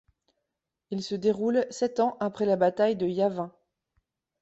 Il se déroule sept ans après la bataille de Yavin.